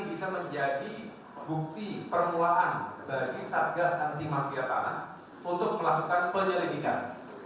bisa menjadi bukti permulaan bagi satgas anti mafia tanah untuk melakukan penyelidikan